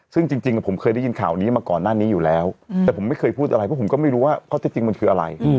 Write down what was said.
ซึ่งจริงผมเคยได้ยินข่าวนี้มาก่อนหน้านี้อยู่แล้วแต่ผมไม่เคยพูดอะไรเพราะผมก็ไม่รู้ว่าข้อเท็จจริงมันคืออะไร